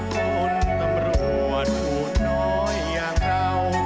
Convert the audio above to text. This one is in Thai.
คนตำรวจพูดน้อยอย่างเรา